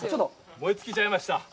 燃え尽きちゃいました。